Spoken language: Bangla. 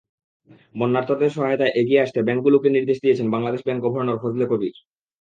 বন্যার্তদের সহায়তায় এগিয়ে আসতে ব্যাংকগুলোকে নির্দেশ দিয়েছেন বাংলাদেশ ব্যাংক গভর্নর ফজলে কবির।